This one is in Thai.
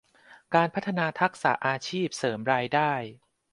การพัฒนาทักษะอาชีพเสริมรายได้